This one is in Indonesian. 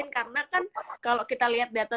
karena kan kalau kita lihat data